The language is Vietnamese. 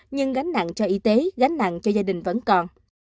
nhưng gánh nặng cho y tế gánh nặng cho gia đình vẫn còn